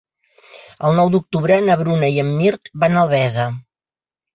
El nou d'octubre na Bruna i en Mirt van a Albesa.